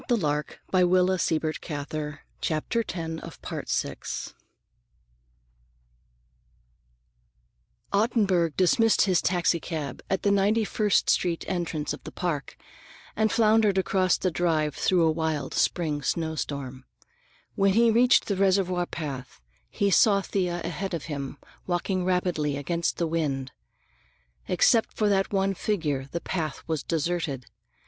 Then we'll have 'Sweet Afton.' Come: 'Ca' the yowes to the knowes'—" X Ottenburg dismissed his taxicab at the 91st Street entrance of the Park and floundered across the drive through a wild spring snowstorm. When he reached the reservoir path he saw Thea ahead of him, walking rapidly against the wind. Except for that one figure, the path was deserted.